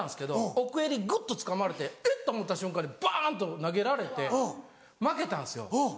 奥襟グッとつかまれてえっ？と思った瞬間にバンと投げられて負けたんですよ。